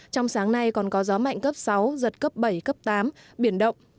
trong sáng nay còn có gió mạnh cấp sáu giật cấp bảy cấp tám biển động